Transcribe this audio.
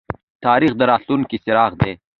تاریخ د راتلونکي څراغ دی